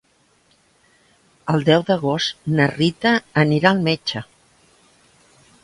El deu d'agost na Rita anirà al metge.